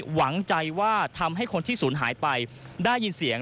หวังใจว่าทำให้คนที่ศูนย์หายไปได้ยินเสียง